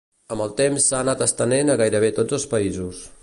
Amb el temps s'ha anat estenent a gairebé tots els països.